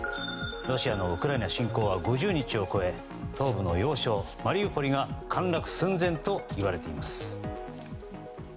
ロシアのウクライナ侵攻が５０日を超え東部の要衝マリウポリが陥落寸前といわれています。